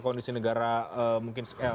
kondisi negara mungkin